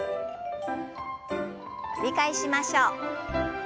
繰り返しましょう。